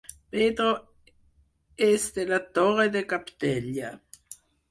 Pedro és de la Torre de Capdella